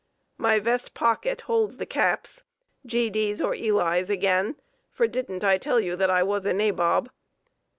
My vest pocket holds the caps, G. D.'s or Ely's again, for didn't I tell you that I was a nabob.